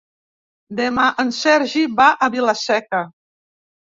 Demà en Sergi va a Vila-seca.